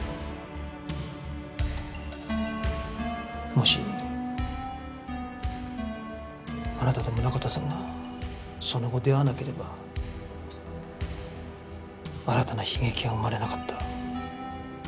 もしあなたと宗形さんがその後出会わなければ新たな悲劇は生まれなかった。